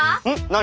何？